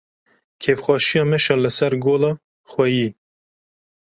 Kêfxweşiya meşa li ser Gola Xwêyî.